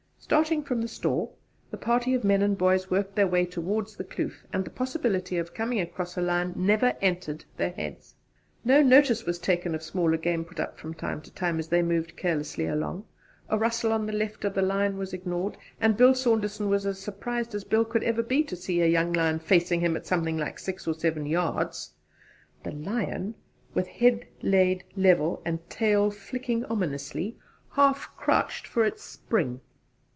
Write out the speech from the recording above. Starting from the store, the party of men and boys worked their way towards the kloof, and the possibility of coming across a lion never entered their heads. No notice was taken of smaller game put up from time to time as they moved carelessly along; a rustle on the left of the line was ignored, and Bill Saunderson was as surprised as Bill ever could be to see a lion facing him at something like six or seven yards. The lion, with head laid level and tail flicking ominously, half crouched for its spring.